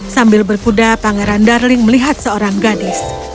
sambil berkuda pangeran darling melihat seorang gadis